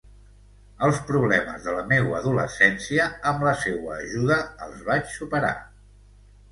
Els problemes de la meua adolescència, amb la seua ajuda, els vaig superar.